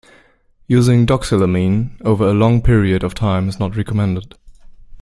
Using doxylamine over a long period of time is not recommended.